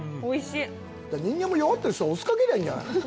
人間も弱ってる人お酢かけりゃいいんじゃない？